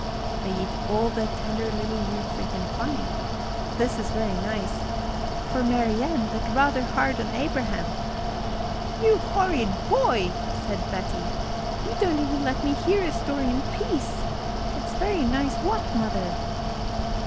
They eat all the tender little roots they can find. This is very nice " "For Mary Ann, but rather hard on Abraham." "You horrid boy," said Betty, "you don't even let me hear a story in peace! It's very nice what, mother?"